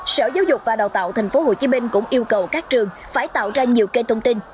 sở giáo dục và đào tạo tp hcm cũng yêu cầu các trường phải tạo ra nhiều kênh thông tin